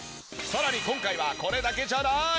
さらに今回はこれだけじゃない！